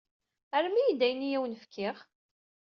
Rrem-iyi-d ayen i awen-n-fkiɣ.